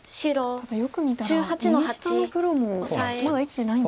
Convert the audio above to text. ただよく見たら右下の黒もまだ生きてないんですか。